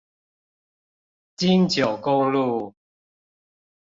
金九公路